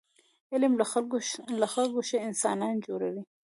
علم له خلکو ښه انسانان جوړوي.